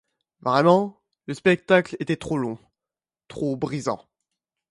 Vraiment, le spectacle était trop long, trop brisant.